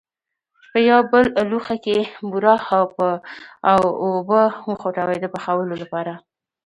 په یو بل لوښي کې بوره او اوبه وخوټوئ د پخولو لپاره.